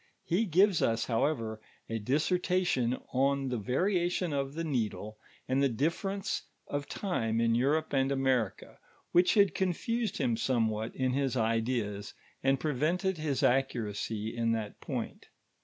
He gives us, however, a dissci lation on the variation of the needle, and the diflfcrenee of time in Europe and America, which had confused him somewhat in his ideas, and prevented his nceuracy in that point.